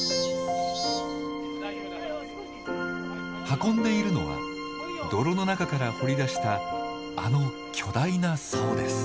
運んでいるのは泥の中から掘り出したあの巨大な竿です。